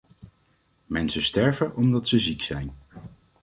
Mensen sterven omdat ze ziek zijn.